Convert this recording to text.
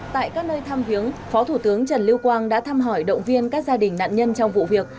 tại các nơi thăm viếng phó thủ tướng trần lưu quang đã thăm hỏi động viên các gia đình nạn nhân trong vụ việc